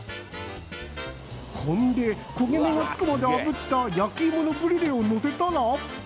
ほんで焦げ目がつくまであぶった焼き芋のブリュレをのせたら。